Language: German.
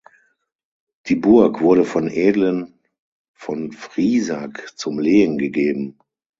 Die Burg wurde den Edlen von Friesack zum Lehen gegeben.